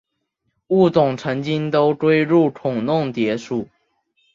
物种曾经都归入孔弄蝶属。